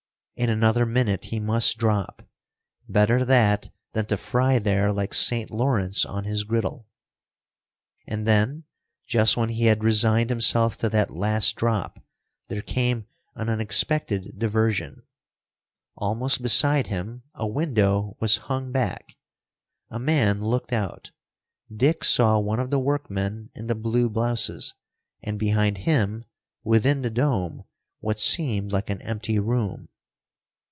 In another minute he must drop. Better that than to fry there like St. Lawrence on his griddle. And then, just when he had resigned himself to that last drop, there came an unexpected diversion. Almost beside him a window was hung back. A man looked out. Dick saw one of the workmen in the blue blouses, and, behind him, within the dome, what seemed like an empty room.